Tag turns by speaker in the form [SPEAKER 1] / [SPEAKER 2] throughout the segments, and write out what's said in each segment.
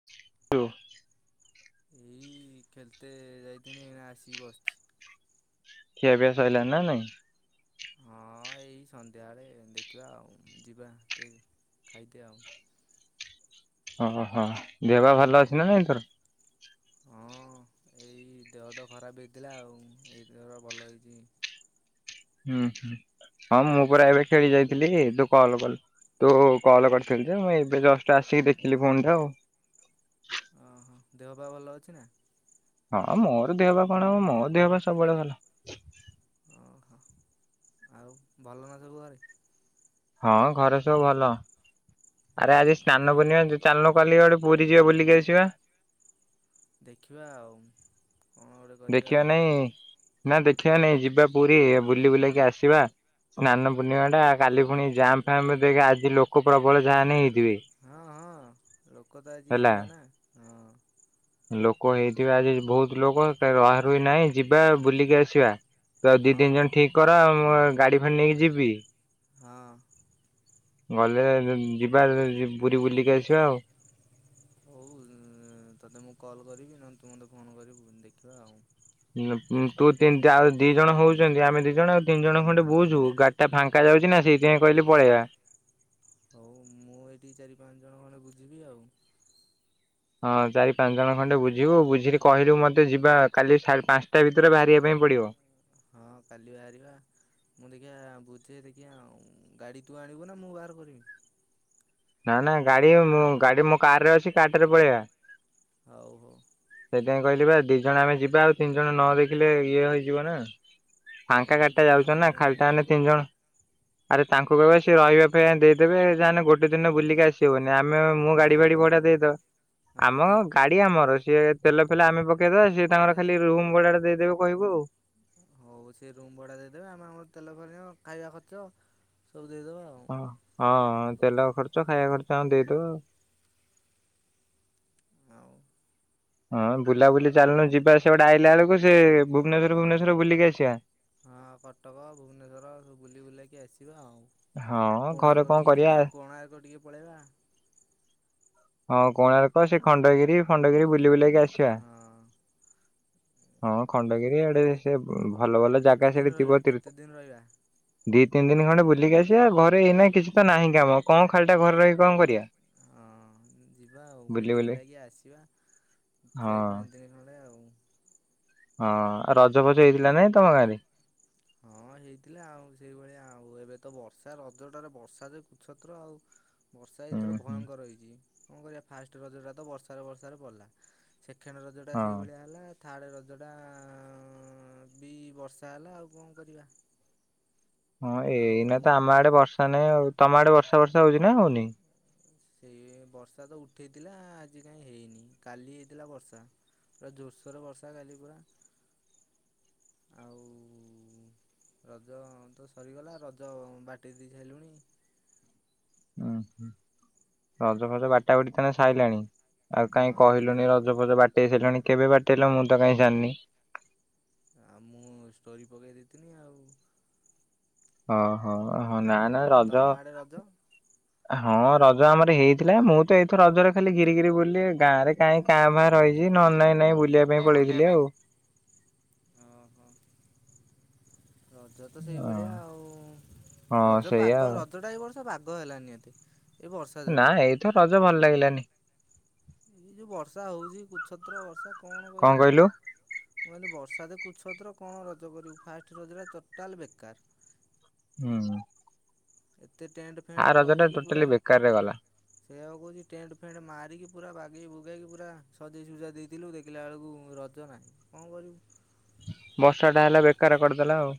[SPEAKER 1] [unintelligible]
[SPEAKER 2] ଏଇ ଖେଲତେ ଯାଇଥିନି, ଆସିକି ବସିଛି।
[SPEAKER 1] ଖିଆପିଆ ସରିଲା ନା ନାଇଁ?
[SPEAKER 2] ହଁ ଏଇ ସନ୍ଧ୍ୟାବେଳେ ଦେଖିବା ଆଉ ଯିବା ଟିକେ ଖାଇତେ ଆଉ।
[SPEAKER 1] ଓହୋ। ଦେହ ବା ଭଲ ଅଛି ନା ନାଇଁ ତୋର?
[SPEAKER 2] ହଁ ଏଇ ଦେହ ତ ଖରାପ ହେଇଥିଲା ଆଉ। ଏଇଥର ଭଲ ହେଇଛି।
[SPEAKER 1] ହୁଁ ହୁଁ। ହଁ ମୁଁ ପୁରା ଏବେ ଖେଳି ଯାଇଥିଲି ତୁ କଲ କଲୁ। ତୁ କଲ କରିଥିଲୁ ଯେ, ମୁଁ ଏବେ ଜଷ୍ଟ ଆସିକି ଦେଖିଲି ଫୋନ ଟା ଆଉ।
[SPEAKER 2] ଓହୋ। ଦେହ ପା ଭଲ ଅଛି ନା?
[SPEAKER 1] ହଁ ମୋର ଦେହ ପା କଣ ହବ, ମୋ ଦେହ ପା ସବୁବେଳେ ଭଲ।
[SPEAKER 2] ଓହୋ। ଆଉ ଭଲ ନା ସବୁ ଘରେ?
[SPEAKER 1] ହଁ ଘରେ ସବୁ ଭଲ। ଆରେ ଆଜି ସ୍ନାନ ପୂର୍ଣିମା, ତୁ ଚାଲୁନ୍ କାଲି ଗୋଟେ ପୁରୀ ଯିବା ବୁଲିକି ଆସିବା।
[SPEAKER 2] ଦେଖିବା ଆଉ, କଣ ଗୋଟେ କରିବା।
[SPEAKER 1] ଦେଖିବା ନାଇଁ, ନା ଦେଖିବା ନାଇଁ ଯିବା ପୁରୀ। ବୁଲି ବୁଲାକି ଆସିବା। ସ୍ନାନ ପୂର୍ଣ୍ଣିମା ଟା, କାଲି ଫୁଣି ଜାମ୍ପ ଫାମ୍ ଦେଖେ ଆଜି ଲୋକ ପ୍ରବଳ ଯାହାନେ ହେଇଥିବେ।
[SPEAKER 2] ହଁ ହଁ। ଲୋକ ତ ଆଜି
[SPEAKER 1] ହେଲା।
[SPEAKER 2] ହେଇଥିବେ ନା। ହଁ।
[SPEAKER 1] ଲୋକ ହେଇଥିବେ ଆଜି ବହୁତ ଲୋକ, ତ ରହା ରୁହି ନାହିଁ ଯିବା ବୁଲିକି ଆସିବା। ତୁ ଆଉ ଦି ତିନି
[SPEAKER 2] ହଁ
[SPEAKER 1] ଜଣ ଠିକ୍ କର, ମୁଁ ଗାଡି ଫାଡି ନେଇକି ଯିବି।
[SPEAKER 2] ହଁ।
[SPEAKER 1] ଗଲେ, ଯିବା ପୁରୀ ବୁଲିକି ଆସିବା ଆଉ।
[SPEAKER 2] ହଉ ତତେ ମୁଁ କଲ୍ କରିବି, ନହେଲେ ତୁ ମୋତେ ଫୋନ କରିବୁ, ଦେଖିବା ଆଉ।
[SPEAKER 1] ଉଁ-ଉଁ ତୁ ତିନ ଦା ଦି ଜଣ ହଉଛନ୍ତି, ଆମେ ଦି ଜଣ ଆଉ ତିନି ଜଣ ଖଣ୍ଡେ ବୁଛୁ ଗା ଟା ଫାଙ୍କା ଯାଉଛି ନା, ସେଇଥିପାଇଁ କହିଲି ପଳେଇବା।
[SPEAKER 2] ହଉ ମୁଁ ଏଇଠି ଚାରି ପାଞ୍ଚ ଜଣ ଖଣ୍ଡେ ବୁଝିବି ଆଉ।
[SPEAKER 1] ହଁ ଚାରି ପାଞ୍ଚ ଜଣ ଖଣ୍ଡେ ବୁଝିବୁ। ବୁଝିକି କହିଲୁ ମୋତେ ଯିବା କାଲି ସାଢ଼େ ପାଞ୍ଚଟା ଭିତରେ ବାହାରିବା ପାଇଁ ପଡ଼ିବ।
[SPEAKER 2] ହଁ କାଲି ବାହାରିବା। ମୁଁ ଦେଖିିବା ବୁଝେ ଦେଖିବା ଆଉ। ଗାଡ଼ି ତୁ ଆଣିବୁ ନା ମୁଁ ବାହାର କରିମି?
[SPEAKER 1] ନା ନା ଗାଡ଼ି ମୁଁ ଗାଡ଼ି ମୋ କାରରେ ଅଛି, କାରଟାରେ ପଳେଇବା।
[SPEAKER 2] ହଉ ହଉ।
[SPEAKER 1] ସେଇଥିପାଇଁ କହିଲି ବା ଦି ଜଣ ଆମେ ଯିବା ଆଉ ତିନି ଜଣ ନ ଦେଖିଲେ ଇଏ ହଇଯିବ ନା। ଫାଙ୍କା
[SPEAKER 2] ହଉ
[SPEAKER 1] ଗାଡଟା
[SPEAKER 2] ଦେଖିଆ
[SPEAKER 1] ଯାଉଛନ୍ତି ନା
[SPEAKER 2] ମୁଁ
[SPEAKER 1] ଖାଲଟା ମାନେ ତିନି ଜଣ। ଆରେ ତାଙ୍କୁ କହିବା ସେ ରହିବା ପାଇବା ଦେଇଦେବେ ଯାହାନେ ଗୋଟେ ଦିନ ବୁଲିକି ଆସ ହଉନି ଆମେ ମୁଁ ଗାଡି ଫାଡି
[SPEAKER 2] ହଁ
[SPEAKER 1] ଭଡା ଦେଇଦବା।
[SPEAKER 2] ହଁ
[SPEAKER 1] ଆମ
[SPEAKER 2] ଠିକ୍
[SPEAKER 1] ଗାଡି ଆମର, ସିଏ ତେଲ ଫେଲ ଆମେ ପକେଇଦବା, ସିଏ ତାଙ୍କର ଖାଲି
[SPEAKER 2] ପକେଇଦବା ଆଉ
[SPEAKER 1] ରୁମ ଭଡାଟା ଦେଇଦେବେ କହିବୁ ଆଉ।
[SPEAKER 2] ହଉ ସେ ରୁମ ଭଡା ଦେଇଦେବେ, ଆମେ ଆମର ତେଲ ଭରିବା, ଖାଇବା ଖର୍ଚ ସବୁ ଦେଇଦବା ଆଉ।
[SPEAKER 1] ହଁ ତେଲ ଖର୍ଚ୍ଚ, ଖାଇବା ଖର୍ଚ୍ଚ ଆମେ ଦେଇଦବା ଆଉ।
[SPEAKER 2] ଆଉ।
[SPEAKER 1] ହଁ ବୁଲା ବୁଲି ଚାଲୁନୁ ଯିବା ସେ ପଟେ ଆଇଲା ବେଳକୁ ସେ ଭୁବନେଶ୍ୱର ଫୁବନେଶ୍ଵର ବୁଲିକି ଆସିବା।
[SPEAKER 2] ହଁ କଟକ, ଭୁବନେଶ୍ୱର ସବୁ ବୁଲି ବୁଲାକି ଆସିବା ଆଉ।
[SPEAKER 1] ହଁ ଘରେ
[SPEAKER 2] କୋଣାର୍କ
[SPEAKER 1] କଣ
[SPEAKER 2] ଟିକେ ଯିବି
[SPEAKER 1] କରିବା
[SPEAKER 2] ନା, କୋଣାର୍କ ଟିକେ ପଳେଇବା।
[SPEAKER 1] [inaudible] ହଁ, କୋଣାର୍କ, ସେ ଖଣ୍ଡଗିରି ଫଣ୍ଡଗିରି ବୁଲି ବୁଲାକି ଆସିବା।
[SPEAKER 2] ହଁ।
[SPEAKER 1] ହଁ ଖଣ୍ଡଗିରି ଆଡେ ସେ ଭଲ ଭଲ
[SPEAKER 2] କେତେ
[SPEAKER 1] ଜାଗା
[SPEAKER 2] ଦିନ
[SPEAKER 1] ସେଠି
[SPEAKER 2] ରହିବା
[SPEAKER 1] ଥିବ ତି
[SPEAKER 2] କେତେ ଦିନ ରହିବା?
[SPEAKER 1] ଦି ତିିନି ଦିନ ଖଣ୍ଡେ ବୁଲିକି ଆ ସିବା। ଘରେ ଏଇନା କିଛି ଟ ନାହିଁ କାମ, କଣ ଖାଲିଟା ଘରେ ରହିି କଣ କରିବା?
[SPEAKER 2] ହଁ ଯିବା ଆଉ, ବୁଲି ବୁଲେଇକି ଆସିବା,
[SPEAKER 1] ହଁ
[SPEAKER 2] ଚାରି ପାଞ୍ଚ ଦିନ ଖଣ୍ଡେ ଆଉ।
[SPEAKER 1] ହଁ ଆଉ ରଜ ଫଜ ହେଇଥିଲା ନାଇଁ ତମ ଗାଁରେ?
[SPEAKER 2] ହଁ ହେଇଥିଲା ଆଉ, ସେଇଭଳିଆ ଆଉ, ଏବେ ତ ବର୍ଷା ରଜଟାରେ ବର୍ଷା ଯେ କୁଛତ୍ର ଆଉ। ବର୍ଷା ଏ
[SPEAKER 1] ହୁଁ
[SPEAKER 2] ଥର
[SPEAKER 1] ହୁଁ
[SPEAKER 2] ଭୟଙ୍କର ହେଇଛି। କଣ କରିବା, ଫାଷ୍ଟ ରଜଟା ତ ବର୍ଷାରେ ବର୍ଷାରେ ଗଲା। ସେକେଣ୍ଡ ରଜଟା
[SPEAKER 1] ହଁ
[SPEAKER 2] ସେଇଭଳିଆ ହେଲା, ଥାର୍ଡ଼ ରଜଟା ବି ବର୍ଷା ହେଲା ଆଉ। କଣ କରିବା?
[SPEAKER 1] ହଁ
[SPEAKER 2] ଆଉ
[SPEAKER 1] ଏଇନା ତ ଆମ ଆଡେ ବର୍ଷା ନାଇଁ ଆଉ। ତମ ଆଡେ ବର୍ଷା ବର୍ଷା ହଉଛିି ନା ହଉନି?
[SPEAKER 2] ସେଇ ଏ ବର୍ଷା ତ ଉଠେଇଥିଲା, ଆଜି କାଇଁ ହେଇନି। କାଲି ହେଇଥିଲା ବର୍ଷା। ପୁରା ଜୋରସୋର ବର୍ଷା କାଲି ପୁରା। ଆଉ ରଜ ତ ସରିଗଲା। ରଜ ବାଟେଇଦେଇ ସାରିଲୁଣି।
[SPEAKER 1] ଉୁଁ ହୁ, ରଜ ଫଜ ବାଟା ବାଟି ତାହେନେ ସାଇଲାଣି। ଆଉ
[SPEAKER 2] ହଁ
[SPEAKER 1] କାଇଁ
[SPEAKER 2] ରଜ
[SPEAKER 1] କହିଲୁନି ର ଜ ଫଜ ବାଟେଇ ସାରିଲଣି, କେବେ ବାଟେଇଲ? ମୁଁ କାହିଁ ସାରିନି।
[SPEAKER 2] ଆଉ ମୁଁ ଷ୍ଟୋରି ପକେଇ ଦେଇଥିନି ଆଉ।
[SPEAKER 1] ଓହୋ ହଁ, ନା ନା,
[SPEAKER 2] ଆଉ
[SPEAKER 1] ରଜ
[SPEAKER 2] ତମ ଆଡ଼େ ରଜ?
[SPEAKER 1] ହଁ, ରଜ ଆମର ହେଇଥିଲା, ମୁଁ ତ ଏଇଥର ରଜରେ ଖାଲି ଘିରି ଘିରି ବୁଲିଲି। ଗାଁରେ କାହିଁ କାଁ ଭା ରହିଛି, ନ ହେଲେ ନାଇଁ ନାଇଁ ବୁଲିବା ପାଇଁ
[SPEAKER 2] ଏ ବୁଲିବା
[SPEAKER 1] ପଳେଇଥିଲି
[SPEAKER 2] ପାଇଁ।
[SPEAKER 1] ଆଉ।
[SPEAKER 2] ଅ ହ। ରଜ ତ
[SPEAKER 1] ହଁ
[SPEAKER 2] ସେଇଭଳିଆ ଆଉ।
[SPEAKER 1] ହଁ
[SPEAKER 2] ରଜ
[SPEAKER 1] ସେଇଆ
[SPEAKER 2] ପାଗ,
[SPEAKER 1] ଆଉ
[SPEAKER 2] ରଜଟା ଏ ବର୍ଷ ବାଗ ହେଲାନି ଏତେ। ଏଇ ବର୍ଷା
[SPEAKER 1] ନା,
[SPEAKER 2] ଯୋଗୁରୁ
[SPEAKER 1] ଏଇଥର ରଜ ଭଲ ଲାଗିଲାନି।
[SPEAKER 2] ଏଇ ଯୋଉ ବର୍ଷା ହଉଛି, କୁଛତ୍ର ବର୍ଷା, କଣ କରିବୁ ତୁ? ମୁଁ କହିଲି ବର୍ଷା ଯେ କୁଛତ୍ର, କଣ ରଜ କରିବୁ? ଫାଷ୍ଟ ରଜଟା ଟୋଟାଲ ବେକାର।
[SPEAKER 1] ଉଁ ହୁଁ।
[SPEAKER 2] ଏତେ ଟେଣ୍ଡ
[SPEAKER 1] ଆ
[SPEAKER 2] ଫେଣ୍ଡ
[SPEAKER 1] ରଜ ଟା
[SPEAKER 2] କରିକି ପୁରା
[SPEAKER 1] ଟୋଟାଲି ବେକାରରେ ଗଲା
[SPEAKER 2] ସେଇଆକୁ କହୁଛି, ଟେଣ୍ଡ ଫେଣ୍ଡ ମାରିକି, ପୁରା ବାଗେଇ ବୁଗେଇକି ପୁରା ସଜେଇ ସୁଜା ଦେଇଥିଲୁ, ଦେଖିଲା ବେଳକୁ ର [unintelligible] କଣ କରିବୁ?
[SPEAKER 1] ବର୍ଷାଟା ହେଲା ବେକାର କରିଦେଲା ଆଉ।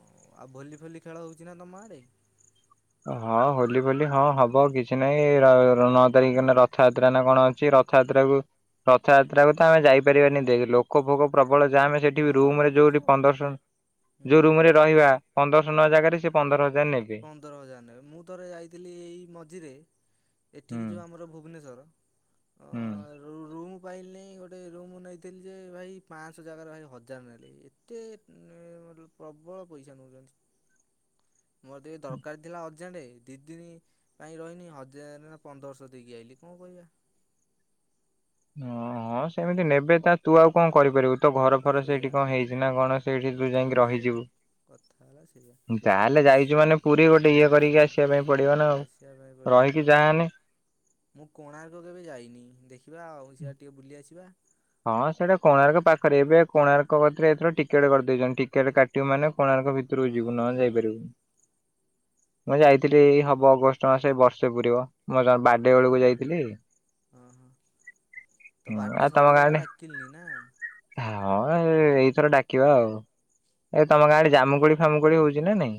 [SPEAKER 2] ଓ ଆଉ ଭଲି ଫଲି ଖେଳ ହଉଛି ନା ତମ ଆଡେ?
[SPEAKER 1] ହଁ, ହୋଲି ଫୋଲି, ହଁ ହବ, କିଛି ନହିଁ, ର ର ନଅ ତାରିଖ ଦିନ ରଥଯାତ୍ରା ନା କଣ ଅଛି। ର ରଥଯାତ୍ରାକୁ ରଥଯାତ୍ରାକୁ ତ ଆମେ ଯାଇପାରିବାନି ଦେଖ୍, ଲୋକ ଫୋକ ପ୍ରବଳ ଜାମ, ସେଠି ବି
[SPEAKER 2] ହଁ
[SPEAKER 1] ରୁମରେ
[SPEAKER 2] ଲୋକ
[SPEAKER 1] ଯୋଉଠି
[SPEAKER 2] ହୁଁ
[SPEAKER 1] ପନ୍ଦର ଶହ, ଯୋଉ ରୁମରେ ରହିବା ପନ୍ଦରଶହ ନବା ଜାଗାରେ ସେ ପନ୍ଦର ହଜାର ନେବେ।
[SPEAKER 2] ପନ୍ଦର ହଜାର ନେବେ। ମୁଁ ଥରେ ଯାଇଥିଲି, ଏଇ ମଝିରେ।
[SPEAKER 1] ହୁଁ
[SPEAKER 2] ଏଠିକି ଯୋଉ ଆମର ଭୁବନେଶ୍ୱର,
[SPEAKER 1] ହୁଁ
[SPEAKER 2] ଅ ରୁ ରୁମ ପାଇଲିନାଇଁ, ଗୋଟେ ରୁମ୍ ନେଇଥିଲି ଯେ ଭାଇ, ପାଁଶହ ଜାଗାରେ ଭାଇ ହଜାର ନେଲେ। ଏତେ ନେ ମ ରୁ ପ୍ରବଳ ପଇସା ନଉଛନ୍ତି। ମୋର ଟିକେ ଦରକାର ଥିଲା ଅ ଅର୍ଜେଣ୍ଟ, ଦିଇ ଦିନ ପାଇଁ ରହିନି, ହଜାର ନା ପନ୍ଦରଶହ ଦେଇକି ଆଇିଲି। କଣ କହିବା?
[SPEAKER 1] ଓ ହଁ ସେମିତି ନେବେ ତା ତୁ ଆଉ କଣ କରିପାରିବୁ ତୋ ଘର ତୋର
[SPEAKER 2] ସେଇଆ
[SPEAKER 1] ସେଇଠି କଣ ହେଇଚି ନା କଣ ସେଇଠି ତୁ
[SPEAKER 2] କଥା
[SPEAKER 1] ଯାଇକି
[SPEAKER 2] ହେଲା ସେଇଆ
[SPEAKER 1] ରହିଯିବୁ।
[SPEAKER 2] କଥା ହେଲା ସେଇଆା
[SPEAKER 1] ଯାହାହେଲେ ଯାଇଛୁ ମାନେ ପୁରୀ ଗୋଟେ
[SPEAKER 2] ଆଁ ଆ
[SPEAKER 1] ଇଏ କରିକି ଆସିବା ପାଇଁ ପଡିବ ନା ଆଉ।
[SPEAKER 2] ଉଁ ଯିବା ପାଇଁ ପଡ଼ିବ ନା ଆଉ।
[SPEAKER 1] [unintelligible]
[SPEAKER 2] ମୁଁ କୋଣାର୍କ କେବେ ଯାଇନି ଦେଖିବା ଆଉ ସିଆଡେ ଟିକେ ବୁଲି ଆସିବା।
[SPEAKER 1] ହଁ ସେଇଟା କୋଣାର୍କ ପାଖରେ ଏବେ କୋଣାର୍କ ପାଖରେ ଏଥର ଟିକେଟ କରିଦେଇଚନ୍ତି ଟିକେଟ କା ଟିବୁ ମାନେ କୋଣାର୍କ
[SPEAKER 2] ହଁ
[SPEAKER 1] ଭିତରୁକୁ ଯିବୁ ନହେଲେ
[SPEAKER 2] ହଁ।
[SPEAKER 1] ଯାଇପାରିବୁନୁ। ମୁଁ ଯାଇଥିଲି ଏଇ ହବ ଅଗଷ୍ଟ ମାସ ଏଇ ବର୍ଷେ ପୁରିବ ମୋ ଜ ବାର୍ଡେ ବେଳକୁ ଯାଇଥିଲି।
[SPEAKER 2] ଓହୋ ତୋ
[SPEAKER 1] ହୁଁ ଆଉ
[SPEAKER 2] ବାଡେ
[SPEAKER 1] ତମ ଗାଁ
[SPEAKER 2] ସରିଗଲା
[SPEAKER 1] ଆଡେ
[SPEAKER 2] ଡାକିଲୁନି ନା।
[SPEAKER 1] ହଁ ଏ ଏଇଥର ଡାକିବା ଆଉ। ଏ ତମ
[SPEAKER 2] ହଉ।
[SPEAKER 1] ଗାଁରେ ଜାମୁକୋଳି ଫାମୁକୋଳି ହଉଚି ନା ନାଇଁ।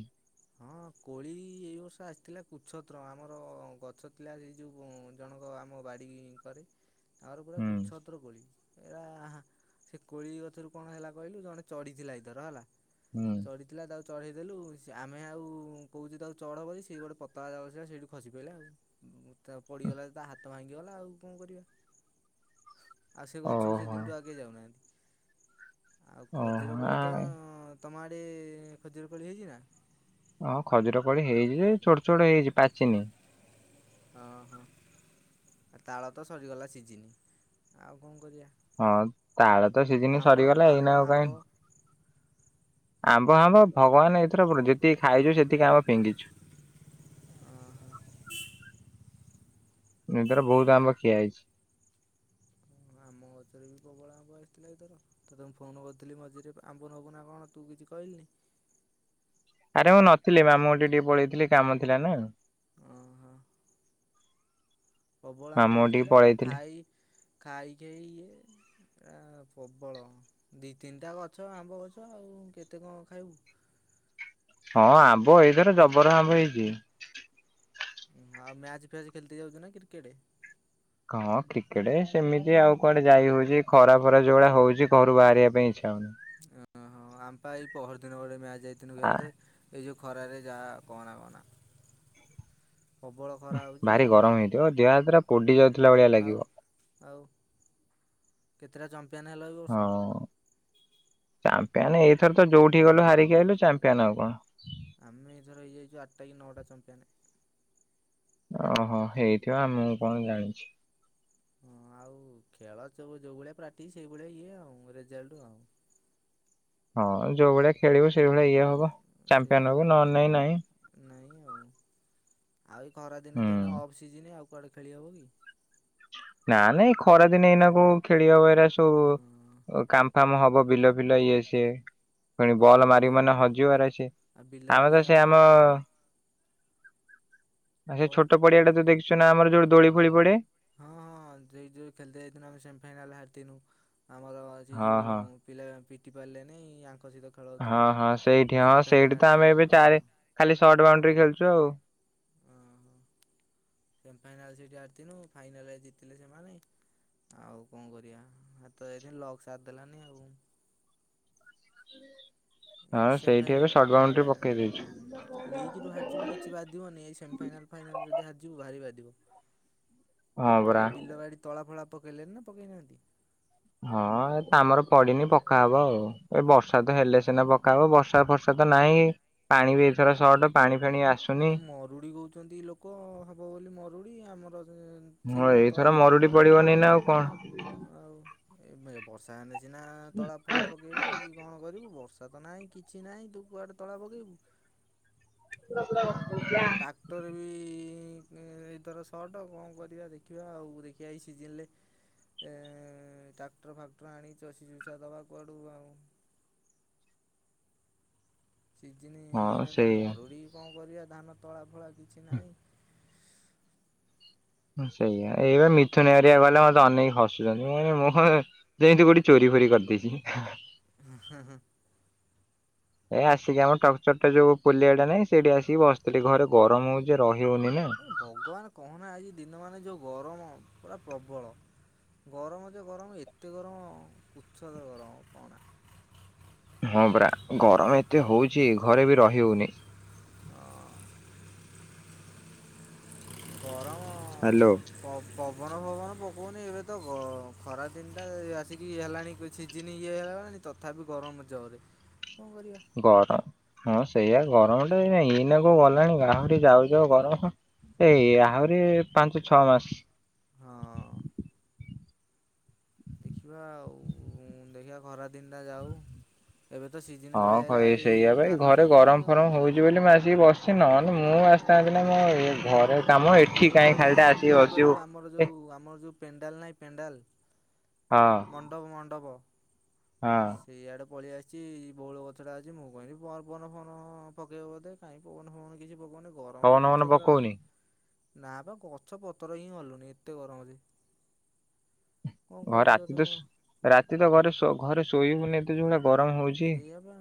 [SPEAKER 2] ହଁ କୋଳି ଏଇ ବର୍ଷ ଆସିଥିଲା କୁ୍ଛତ୍ର ଆମର ଗଛ ଥିଲା ଯୋଉ ଜଣଙ୍କ ଆମ ବାଡି କରେ ତାଙ୍କର ପୁରା
[SPEAKER 1] ହୁଁ
[SPEAKER 2] କୁଚ୍ଛତ୍ର ପତ୍ର କୋଳି ଏରା ସେ କୋଳି ଗଛରୁ କଣ ହେଲା କହିଲୁ ଜଣେ ଚଢିଥିଲା ଏଇଥର ହେଲା।
[SPEAKER 1] ହୁଁ।
[SPEAKER 2] ଚଢିଥିଲା ତାକୁ ଚଢ଼େଇ ଦେଲୁ ସୁ ଆମେ ଆଉ କହୁଛ ତାକୁ ଚଢ଼ ହେବ ବୋଲି ସେ ଗୋଟେ ପତଳା [unintelligible] ସେଇଠୁ ଖସି ପଡ଼ଲା ଆଉ। ତ ପଡିଗଲା ତା ହାତ ଭାଙ୍ଗିଗଲା ଆଉ କଣ କରିବା। ଆଉ ସେ ଗଛକୁ ସେ
[SPEAKER 1] ଓହୋ।
[SPEAKER 2] ଦିନ ଠୁ ଆଉକେହି ଯାଉନାହାନ୍ତି। ଆଉ ଖଜିର
[SPEAKER 1] ଓହୋ ଆ
[SPEAKER 2] କୋଳି ତ ତମ ଆଡେ ଖଜିର କୋଳି ହେଇଚି ନା?
[SPEAKER 1] ହଁ ଖଜୁରୀ ହେଇଚି ଯେ ଏ ଛୋ ଛୋଟ ହେଇଚି ପାଚିନି।
[SPEAKER 2] ହଁ ହଁ ଆ ତାଳ ତ ସରିଗଲା ସିଯିନି ଆଉ କଣ କରିଆ।
[SPEAKER 1] ହଁ ତାଳ ତ ସିଜିନି ସରିଗଲା
[SPEAKER 2] ଆମ୍ବ
[SPEAKER 1] ଏଇନା ଆଉ
[SPEAKER 2] ଆମ୍ବ
[SPEAKER 1] କାଇଁ
[SPEAKER 2] ଓହୋ।
[SPEAKER 1] ଆମ୍ବ ଫାମ୍ବ ଭଗବାନ ଏଇଥର ଯେତିକି ଖାଇଚୁ ସେତିକି ଆମ୍ବ ଫିଙ୍ଗିଚୁ। ଏଥର ବହୁତ ଆମ୍ବ ଖିଆ ହେଇଚି।
[SPEAKER 2] ହଁ ଆମ ଗଛରେ ବି ପ୍ରବଳ ଅମ୍ବ ଆସିଥିଲା ଏଇଥର। ତୋତେ ମୁଁ ଫୋନ୍ କରିଥିଲି ମଝିରେ ଆମ୍ବ ନବୁ ନା କଣ ତୁ କିଛି କହିଲୁନି।
[SPEAKER 1] ଆରେ ମୁଁ ନଥିଲି ମାମୁଁ ଘଟିକି ଟିକେ ପଳେଇଥିଲି କାମ ଥିଲା ନା।
[SPEAKER 2] ଓ ହୋ। ପ୍ରବଳ ଆମ୍ବ
[SPEAKER 1] ମାମୁଁ ଘଟିକି
[SPEAKER 2] ଆସିଥିଲା ଏରା
[SPEAKER 1] ପଳେଇଥିଲି।
[SPEAKER 2] ଖାଇ ଖାଇ ଖାଇ ଇଏ ଏ ପ୍ରବଳ ଦି ତିନିଟା ଗଛ ଆମ୍ବ ଗଛ ଆଉ କେତେ କଣ ଖାଇବୁ।
[SPEAKER 1] ହଁ ଆମ୍ବ ଏଇଥର ଜବର ଆମ୍ବ ହେଇଚି।
[SPEAKER 2] ଆଉ ମ୍ୟାଚ ଫ୍ୟାଚ ଖେଳତି ଯାଉଚୁ ନା କ୍ରିକେଟ।
[SPEAKER 1] ହଁ କ୍ରିକେଟ ସେମିତି ଆଉ କୁଆଡେ ଯାଇ ହଉଚି ଏ ଖରା ଫରା ଯୋଉଭଳି ହଉଚି ଘରୁ ବାହାରିବା ପାଇଁ ଇଚ୍ଛା ହଉନି।
[SPEAKER 2] ଓହୋ ଆମେପା ଏଇ ପହର ଦିନ ଗୋଟେ ମ୍ୟାଚ ଯାଇଥିଲୁ
[SPEAKER 1] ଆ
[SPEAKER 2] ଖେଲତେ ଏ ଯୋଉ ଖରାରେ ଯାହା କହନା କହନା। ପ୍ରବଳ ଖରା ହଉଛି
[SPEAKER 1] ଭାରି
[SPEAKER 2] ଆଉ
[SPEAKER 1] ଗରମ ହେଇଥିବ ଦେହ ହାତ ଗୁରା ପୋଡି ଯାଉଥିଲା ଭଳିଆ
[SPEAKER 2] ଆଉ
[SPEAKER 1] ଲାଗିବ।
[SPEAKER 2] ଆଉ କେତେଟା ଚମ୍ପିୟନ୍ ହେଲ ଏ ବର୍ଷ।
[SPEAKER 1] ଚାମ୍ପିଆନ୍ ଏଇଥର ତ ଯୋଉଠି ଗଲୁ ହାରିକି ଆଇଲୁ ଚାମ୍ପିଆନ ଆଉ କଣ।
[SPEAKER 2] ଆମେ ଏଥର ହେଇଯାଇଚୁ ଆଠଟା କି ନଅଟା ଚମ୍ପିଆନ୍।
[SPEAKER 1] ଓହୋ ହେଇଥିବ ମୁଁ କଣ ଜାଣିଚି।
[SPEAKER 2] ହଁ ଆଉ ଖେଳ ଯୋଉ ଭଳିଆ ପ୍ରାକ୍ଟିସ୍ ସେଇଭଳିଆ ଇଏ ଆଉ ରେଜଲ୍ଟ ଆଉ।
[SPEAKER 1] ହଁ ଯୋଉ ଭଳିଆ ଖେଳିବୁ। ସେଇ ଭଳିଆ ଇଏ ହବ।
[SPEAKER 2] ସେଇଆ
[SPEAKER 1] ଚାମ୍ପିଆନ୍
[SPEAKER 2] ହେଲା
[SPEAKER 1] ହବୁ ନ
[SPEAKER 2] କଥା
[SPEAKER 1] ହେଲେ ନାଇଁ।
[SPEAKER 2] ନାଇଁ, ଆଉ। ଆଉ ଖରାଦିନେ ତ ଏଇନା
[SPEAKER 1] ହୁଁ।
[SPEAKER 2] Off season. ଆଉ କୁଆଡେ ଖେଳି ହବ କି?
[SPEAKER 1] ନାଁ ମ ଏ ଖରାଦିନ ଏଇନା କୋଉ ଖେଳି ହେବ? ଏଗୁରା
[SPEAKER 2] ହଁ
[SPEAKER 1] ସବୁ କା କାମ ହବ ବିିଲ ଫିଲ ଇଏ ସଏ। ପୁଣି
[SPEAKER 2] କଥା
[SPEAKER 1] ବଲ୍
[SPEAKER 2] ହେଲା
[SPEAKER 1] ମାରିବୁ
[SPEAKER 2] ସେଇଆ
[SPEAKER 1] ମାନେ ହଜିବ ଏରା ସିଏ।
[SPEAKER 2] ଆଉ ବିଲ
[SPEAKER 1] ଆମେ
[SPEAKER 2] ବାଡ଼ି
[SPEAKER 1] ତ
[SPEAKER 2] କାମ
[SPEAKER 1] ସେ ଆମ ଆ
[SPEAKER 2] କ
[SPEAKER 1] ସେ ଛୋଟ
[SPEAKER 2] କ
[SPEAKER 1] ପଡିଆଟା ତ ଦେଖିଚୁ ନା ଆମର ଯୋଉ ଦୋଳି ଫୋଳି ପଡେ।
[SPEAKER 2] ହଁ ହଁ, ଯେ ଯଉ ଖେଳ୍ତେ ଯାଇଥିନୁ ଆମେ ସେମିଫାଇନାଲ ହାରିଥିନୁ। ଆମର ସେ
[SPEAKER 1] ହଁ
[SPEAKER 2] ଯୋଉ
[SPEAKER 1] ହଁ।
[SPEAKER 2] ପିଲା ପିଟି ପାରିଲେ ନାଇ। ଆଙ୍କ ସହିତ ଖେଳ
[SPEAKER 1] ହଁ
[SPEAKER 2] ହଉଥିଲା।
[SPEAKER 1] ହଁ ସେଇଠି ହଁ,
[SPEAKER 2] ସେମିଫାଇନାଲ୍
[SPEAKER 1] ସେଇଠି ତ ଆମେ
[SPEAKER 2] ହାରିଥିନୁ
[SPEAKER 1] ଏବେ
[SPEAKER 2] ହଁ
[SPEAKER 1] ଚାରି ଖାଲି ସର୍ଟ ବାଉଣ୍ଡରି ଖେଳଛୁ ଆଉ।
[SPEAKER 2] ଓହୋ ସେମିଫାଇନାଲ୍ ସେଇଠି ହାରିଥିନୁ। ଫାଇନାଲରେ ଜିତିଲେ ସେମାନେ। ଆଉ କଣ କରିବା? ହାରି ତ ଯାଇଥିଲୁ ଲକ୍ ସାଥ୍ ଦେଲାନି ଆଉ। ଏଇ
[SPEAKER 1] ହଁ
[SPEAKER 2] ସେମ୍
[SPEAKER 1] ସେଇଠି ଏବେ
[SPEAKER 2] ଫାଇନାଲ,
[SPEAKER 1] ସର୍ଟ ବାଉଣ୍ଡ୍ରି
[SPEAKER 2] ଫାଇନାଲ
[SPEAKER 1] ପକେଇ ଦେଇଛୁ
[SPEAKER 2] ଲିଗ୍ ରୁ ହାରିଯିବୁ କିଛି ବାଧିବନି। ଏଇ ସେମିଫାଇନାଲ, ଫାଇନାଲ ଯଦି ହାରଯିବୁ ଭାରି ବାଧିବ।
[SPEAKER 1] ହଁ ପରା।
[SPEAKER 2] ଆଉ ବିଲ ବାଡି ତଳା ଫଳା ପକେଇଲେନି ନା ପକେଇନାହାନ୍ତି।
[SPEAKER 1] ହଁ ଆମର ପଡିନି ପକାହବ ଆଉ। ଏ ବର୍ଷା ତ ହେଲେ ସିନା ପକା ହବ। ବର୍ଷା ଫର୍ଷା ତ ନାହିଁ। ପାଣି ବି ଏଇଥର ସଟ୍। ପାଣି ଫାଣି ଆସୁ
[SPEAKER 2] ଏ ମରୁଡି କହୁଛନ୍ତି ଲୋକ ହବ ବୋଲି ମରୁଡ଼ି। ଆମର
[SPEAKER 1] ହଁ
[SPEAKER 2] ସେଇଭଳିଆ ତଳା
[SPEAKER 1] ଏଇଥର
[SPEAKER 2] ତ
[SPEAKER 1] ମରୁଡି
[SPEAKER 2] ପକେଇନୁ ଆଉ।
[SPEAKER 1] ପଡିବନି ନା କଣ?
[SPEAKER 2] ଆଉ ଏବେ ବର୍ଷା ହେଲେ ସିନା ତଳା ଫଳା ପ ପକେଇବୁ କି କଣ କରିବୁ। ବର୍ଷା ତ ନହିଁ। କିଛି ନାହିଁ। ତୁ କୁଆଡେ ତଳା ପକେଇବୁ।
[SPEAKER 1] [inaudible]
[SPEAKER 2] ଟ୍ରାକ୍ଟର ବି ଏଇଥର ସର୍ଟ। କଣ କରିବା ଦେଖିବା ଆଉ। ଦେଖିବା ଏ ସିଜିନ୍ ଲେ ଏ ଟ୍ରାକ୍ଟର ଫାକ୍ଟର ଆଣି ଚଷି ଚୁଷା ଦବା କୁଆଡ଼ୁ ଆଉ। ସିଜିନି
[SPEAKER 1] ହଁ
[SPEAKER 2] ଏଇନା ତ
[SPEAKER 1] ସେଇଆ
[SPEAKER 2] ମରୁଡ଼ି କଣ କରିବା? ଧାନ ତଳା ଫଳା କିଛି ନାହିଁ।
[SPEAKER 1] ହଁ ସେଇଆ। ଏଇବା ମିଥୁନ ହେରିକା ଗଲେ ମତେ ଅନେଇ ହସୁଛନ୍ତି। ମୁଁ କହିଲି ମୁଁହରେ ଯେଏନ୍ତି କୋଉଠି ଚୋରି ଫୋରି କରିଦେଇଚି?
[SPEAKER 2] ହଁ ହଁ ହଁ।
[SPEAKER 1] ଏ ଆସିକି ଆମ ଟକ୍ଚରଟା ଯୋଉ ପୋଲିଆଟା ନାଇଁ, ସେଇଠି ଆସିକି ବସିଥିଲି। ଘରେ ଗରମ ହଉଛି ରହି ହଉନି ନା।
[SPEAKER 2] ଭଗବାନ କହନା ଆଜି ଦିନ ମାନେ ଯୋଉ ଗରମ, ପୁରା ପ୍ରବଳ। ଗରମ ଯେ ଗରମ ଏତେ ଗରମ ଉଛଦ ଗରମ କଅନା।
[SPEAKER 1] ହଁ, ପରା ଗରମ ଏତେ ହଉଛି। ଘରେ ବି ରହି ହଉନି।
[SPEAKER 2] [inaudible] ଗରମ
[SPEAKER 1] ହ୍ୟାଲୋ।
[SPEAKER 2] ପବନ ଫବନ ପକଉନି ଏବେ ତ ଗ-ଖରା ତିନିଟା ଆସିକି ହେଲାଣି। ସିଜିିନ ଇଏ ହେଲାଣିି ତଥାପି ଗରମ ଜୋରେ। କଣ କରିବା?
[SPEAKER 1] ଗରମ ହଁ, ସେଇଆ ଗରମଟା ଏଇନା କୋଉ ଗଲାଣି? ଆହୁରି ଯାଉ ଯାଉ ଗରମ ହଁ। ଏଇ ଆହୁରି ପାଞ୍ଚ ଛଅ ମାସ।
[SPEAKER 2] ହଁ। ଦେଖିବା ଆଉ। ଦେଖିବା ଖରା ଦିନଟା ଯାଉ। ଏବେ ତ ସିଜିନ
[SPEAKER 1] ହଁ
[SPEAKER 2] ପଳିଆଇଲା, ଏଇ ଧାନ ସିଜିନ ଆଉ।
[SPEAKER 1] ଆସିଚି ବୋଲି ମୁଁ ଆସିକି ବସିଚି। ନ ହେଲେ ମୁଁ ଆସିଥାନ୍ତି ନା କଣ? ଘରେ କାମ ଏଠି
[SPEAKER 2] ମୁଁ
[SPEAKER 1] କାହିଁ
[SPEAKER 2] ପଳେଇ
[SPEAKER 1] ଖାଲିଟା
[SPEAKER 2] ଆସିଛି
[SPEAKER 1] ଆସିକି
[SPEAKER 2] କୋଉଠି
[SPEAKER 1] ବସିବୁ।
[SPEAKER 2] କହିଲୁ? ଆମର
[SPEAKER 1] ଏ
[SPEAKER 2] ଯୋଉ, ଆମର ଯୋଉ ପେଣ୍ଡାଲ ନାହିଁ ପେଣ୍ଡାଲ
[SPEAKER 1] ହଁ
[SPEAKER 2] ମଣ୍ଡପ ମଣ୍ଡପ
[SPEAKER 1] ହଁ।
[SPEAKER 2] ଏଇଆଡ଼େ ପଳେଇ ଆସିଛି ବୋଉଳ ଗଛ ଟା ଅଛି ମୁଁ କହିବି ପୋନ ଫୋନ ପକେଇବ ବୋଧେ। କାଇଁ ପୋନ ଫୋନ କିଛି ପକୋଉନି ଗରମ ଯେ
[SPEAKER 1] ପବନ ଫବନ
[SPEAKER 2] କୁଛତ୍ର
[SPEAKER 1] ପକଉନି
[SPEAKER 2] ଆସି ନା ବା ଗଛ ପତର ହିଁ ଗଲୁନି ଏତେ ଗରମ ଯେ। କଣ
[SPEAKER 1] ହଁ
[SPEAKER 2] କହିବି
[SPEAKER 1] ରାତି
[SPEAKER 2] ତୋତେ
[SPEAKER 1] ତ
[SPEAKER 2] ମୁଁ ଆଉ।
[SPEAKER 1] ରାତି ତ ଘରେ ଘରେ ଶୋଇହୋଉନି ଏତ ଯୋଉ ଗରମ ହୋଉ
[SPEAKER 2] ସେଇଆପା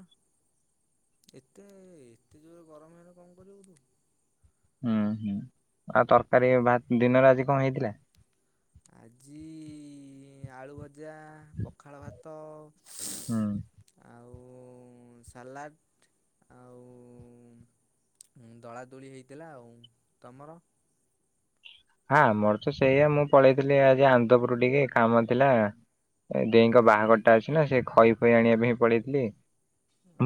[SPEAKER 2] ଏତେ ଏତେ ଜୋରେ ଗରମ ହେଲେ କଣ କରିବୁ ତୁ।
[SPEAKER 1] ହୁଁ ହୁଁ ଆଉ ତରକାରୀ ଭ ଦିନରେ ଆଜି କଣ ହେଇଥିଲା?
[SPEAKER 2] ଆଜି ଆଳୁ ଭଜା ପଖାଳ ଭାତ
[SPEAKER 1] ହୁଁ।
[SPEAKER 2] ଆଉ ସାଲାଡ଼ ଆଉ ଦଳା ଦୁଳି ହେଇଥିଲା ଆଉ ତମର?
[SPEAKER 1] ହଁ ଆମର ତ ସେଇଆ ମୁଁ ପଳେଇଥିଲି ଆଜି ଆନ୍ଦପୁର ଟିକେ କାମ ଥିଲା। ଦେଇଁଙ୍କ
[SPEAKER 2] ଓହୋ
[SPEAKER 1] ବାହାଘରଟା ଅଛି ନା ସେ ଖଇ ଫଇ ଆଣିବା ପାଇଁ ପଳେଇଥିଲି।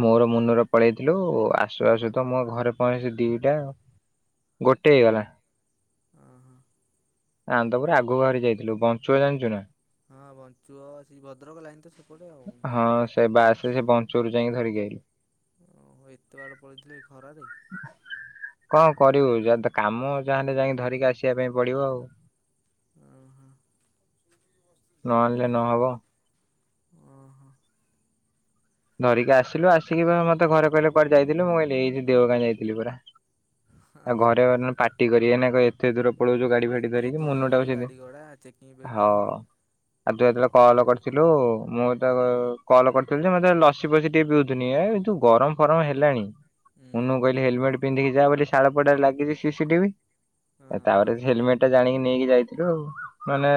[SPEAKER 1] ମୋର ମୁନୂର ପଳେଇଥିଲୁ ଆସୁ ଆସୁ ତ ମୋ ଘରେ ପହଞ୍ଚେ ସେ ଦିଟା ଗୋଟେ ହେଇଗଲା।
[SPEAKER 2] ଅହୋ।
[SPEAKER 1] ଆନ୍ଦପୁର ଆଗକୁ ବାହାର ଯାଇଥିଲୁ ବଞ୍ଚୁଆ ଜାଣିଛୁ ନା?
[SPEAKER 2] ହଁ ବଞ୍ଚୁଅ ସେ ଭଦ୍ରକ ଲାଇନ ତ ସେ
[SPEAKER 1] ହଁ ସେ ବାସରେ ସେ ବଞ୍ଚରୁ ଯାଇଁକି ଧରିକି ଆସିଲି।
[SPEAKER 2] ଓହୋ ଏତେ ବାଟ ପଳେଇଥିଲୁ ଏ ଖରାରେ?
[SPEAKER 1] କଣ କରିବୁ ଯ କାମ ଯାହାଲେ ଯାଇଁକି ଧରିକି ଆସିବାକୁ ପ ପଡିବ ଆଉ।
[SPEAKER 2] ଓହୋ
[SPEAKER 1] ନହେଲେ ନହବ
[SPEAKER 2] ଓହୋ।
[SPEAKER 1] ଧରିକି ଆସିଲୁ ଆସିକି ମତେ ଘରେ କହିଲେ କୁଆଡେ ଯାଇଥିଲୁ ମୁଁ କହିଲି ଏଇ ଦେଓଗାଁ ଯାଇଥିଲି ପରା। ଆଉ ଘରେ ମାନେ ପାାଟି କରିବେ ନା କହିବେ ଏତେ ଦୂର ପଳଉଛୁ ଗାଡି ଫାଡି
[SPEAKER 2] ଏତେ
[SPEAKER 1] ଧରିକି
[SPEAKER 2] ଦୂର
[SPEAKER 1] ମୁନୁଟା
[SPEAKER 2] ଯାଉଛୁ ଗାଡ଼ି ଘୋଡ଼ା ଚେକିଂ
[SPEAKER 1] ସେମିତି
[SPEAKER 2] ଫେକିଂ
[SPEAKER 1] ହଉ ଆଉ। କଲ କରିଥିଲୁ ମୁଁ ତ କଲ କରିଥିଲି ଯେ ମତେ ଲସି ଫସି ଟିକେ ପିଉଥିନି ଏ ଯୋଉ ଗରମ ଫରମ ହେଲାଣି।
[SPEAKER 2] ହୁଁ।
[SPEAKER 1] ମୁଁ କହିଲି ହେଲମେଟ୍ ପିନ୍ଧିକି ଯା ବୋଲି ଶାଳପଡାରେ ଲାଗିଛି ସିସିଟିଭି
[SPEAKER 2] ହଁ।
[SPEAKER 1] ତାପରେ ହେଲମେଟ ଟା ଜାଣିକି ନେଇକି ଯାଇଥିଲୁ ମାନେ